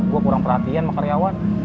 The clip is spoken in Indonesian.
gue kurang perhatian sama karyawan